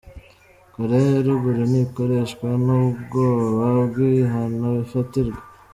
Koreya ya ruguru "ntikoreshwa n'ubwoba bw'ibihano ifatirwa".